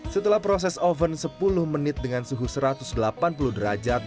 setelah proses oven sepuluh menit dengan suhu satu ratus delapan puluh derajat